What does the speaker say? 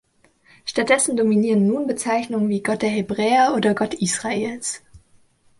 Stattdessen dominieren nun Bezeichnungen wie „Gott der Hebräer“ oder „Gott Israels“.